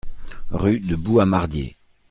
Rue de Bou à Mardié